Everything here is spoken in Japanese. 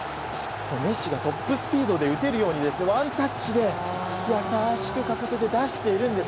メッシがトップスピードで打てるようにワンタッチで優しく出しているんです。